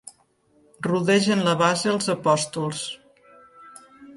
Rodegen la base els apòstols.